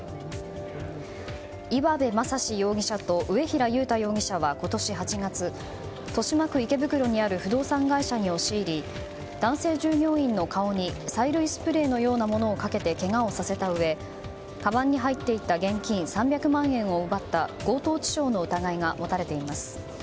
岩部真心容疑者と上平悠太容疑者は今年８月豊島区池袋にある不動産会社に押し入り男性従業員の顔に催涙スプレーのようなものをかけけがをさせたうえかばんに入っていた現金３００万円を奪った強盗致傷の疑いが持たれています。